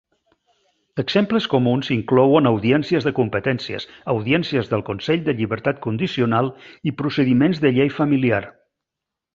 Exemples comuns inclouen audiències de competències, audiències del consell de llibertat condicional i procediments de llei familiar.